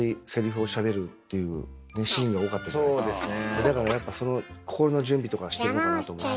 だからやっぱその心の準備とかしてるのかなと思って。